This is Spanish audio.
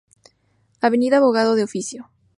Avenida Abogado de Oficio.